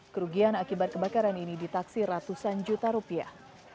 kerugian akibat kebakaran ini ditaksir ratusan juta rupiah